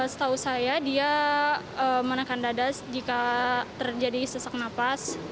setahu saya dia menekan dadas jika terjadi sesak nafas